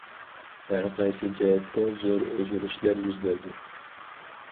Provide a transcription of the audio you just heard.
ھەرقايسى جەھەتتە زور ئۆزگىرىشلەر يۈز بەردى.